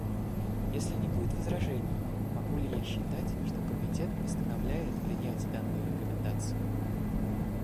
Если не будет возражений, могу ли я считать, что Комитет постановляет принять данную рекомендацию?